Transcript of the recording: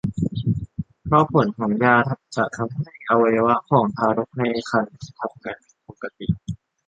เพราะผลของยาจะทำให้อวัยวะของทารกในครรภ์ทำงานผิดปกติ